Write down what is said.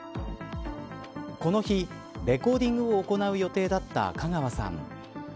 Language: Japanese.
この日、レコーディングを行う予定だったカガワさん。